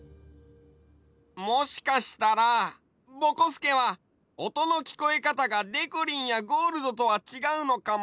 もしかしたらぼこすけはおとのきこえかたがでこりんやゴールドとはちがうのかもよ。